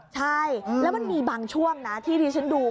ใช่แล้วมันมีบางช่วงนะที่ที่ฉันดู